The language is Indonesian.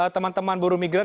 teman teman buru migran